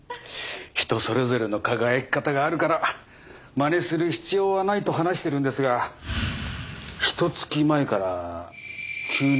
人それぞれの輝き方があるからまねする必要はないと話してるんですがひと月前から急に変わってしまいましてね。